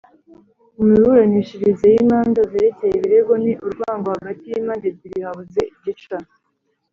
Mu miburanishirize y imanza zerekeye ibirego ni urwango hagati y’imande ebyiri habuze gica.